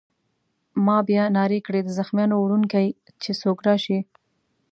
ما بیا نارې کړې: د زخمیانو وړونکی! چې څوک راشي.